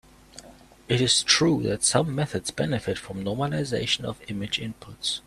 It is true that some methods benefit from normalization of image inputs.